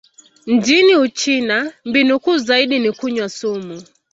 Nchini Uchina, mbinu kuu zaidi ni kunywa sumu.